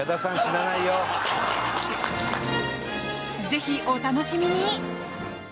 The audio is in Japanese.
ぜひ、お楽しみに！